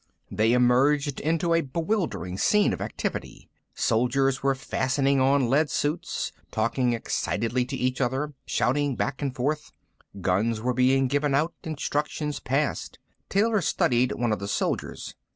They emerged into a bewildering scene of activity. Soldiers were fastening on lead suits, talking excitedly to each other, shouting back and forth. Guns were being given out, instructions passed. Taylor studied one of the soldiers.